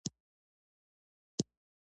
د مرضونو د پیداکیدو مخنیوی کوي.